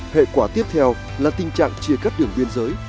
hệ quả tiếp theo là tình trạng chia cắt đường biên giới